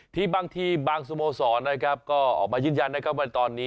สมบัติบางสมศาลก็ยืดยัน